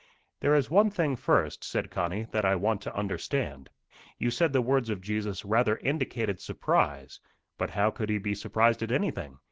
"There is one thing first," said Connie, "that I want to understand. You said the words of Jesus rather indicated surprise. But how could he be surprised at anything?